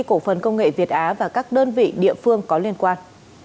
cổ phần công nghệ việt á và các đơn vị địa phương có liên quan